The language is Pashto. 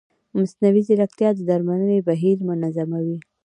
مصنوعي ځیرکتیا د درملنې بهیر منظموي.